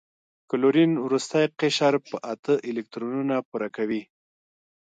کلورین وروستی قشر په اته الکترونونه پوره کوي.